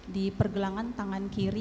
di pergelangan tangan kiri